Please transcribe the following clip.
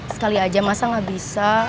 sekali aja masa gak bisa